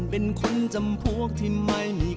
เป็นส่วนยางของพี่แชมเลย